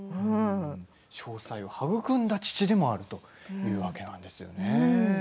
商才をはぐくんだ父でもあるというだけなんですよね。